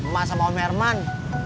mas sama om herman